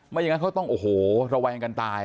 อย่างนั้นเขาต้องโอ้โหระแวงกันตาย